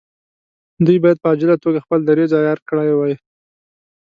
دوی باید په عاجله توګه خپل دریځ عیار کړی وای.